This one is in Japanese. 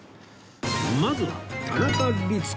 まずは田中律子